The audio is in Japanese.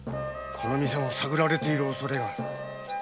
この店も探られている恐れがある。